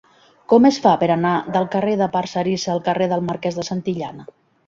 Com es fa per anar del carrer de Parcerisa al carrer del Marquès de Santillana?